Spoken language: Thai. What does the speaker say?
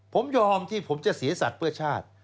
ผมยอมที่ผมจะเสียสัตว์เพื่อชาติ